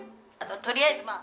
とりあえずまあ」